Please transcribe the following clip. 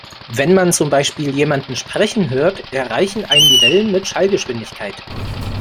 Wenn man zum Beispiel jemanden sprechen hört, erreichen einen die Wellen mit Schallgeschwindigkeit.